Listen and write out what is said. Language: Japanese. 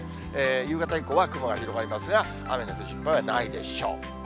夕方以降は雲が広がりますが、雨の降る心配はないでしょう。